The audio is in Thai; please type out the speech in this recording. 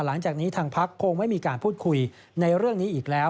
หลังจากนี้ทางพักคงไม่มีการพูดคุยในเรื่องนี้อีกแล้ว